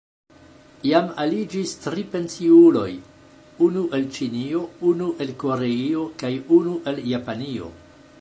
Jam aliĝis tri pensiuloj: unu el Ĉinio, unu el Koreio kaj unu el Japanio.